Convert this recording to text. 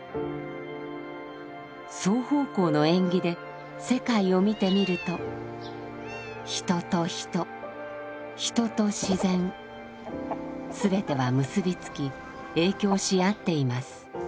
「双方向の縁起」で世界を見てみると人と人人と自然すべては結び付き影響し合っています。